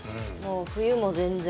冬も全然。